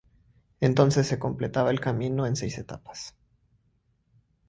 Entonces se completaba el camino en seis etapas.